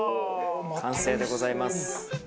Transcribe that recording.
完成でございます。